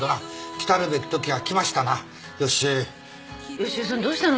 良恵さんどうしたの？